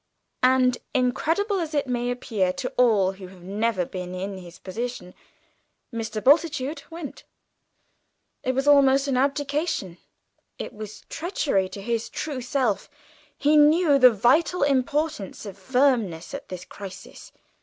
And, incredible as it may appear to all who have never been in his position, Mr. Bultitude went. It was almost an abdication, it was treachery to his true self; he knew the vital importance of firmness at this crisis.